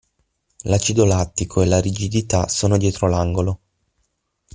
L'acido lattico e la rigidità sono dietro l'angolo.